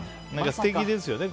素敵ですよね。